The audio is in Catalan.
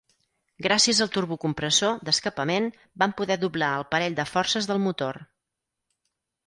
Gràcies al turbocompressor d'escapament, vam poder doblar el parell de forces del motor.